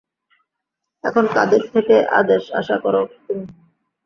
এখন কাদের থেকে আদেশ আশা করো তুমি?